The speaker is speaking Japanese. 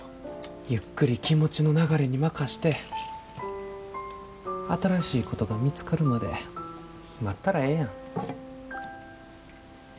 ゆっくり気持ちの流れに任して新しいことが見つかるまで待ったらええやん。